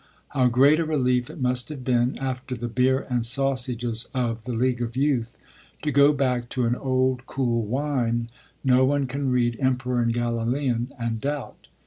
How great a relief it must have been, after the beer and sausages of The League of Youth, to go back to an old cool wine, no one can read Emperor and Galilean and doubt.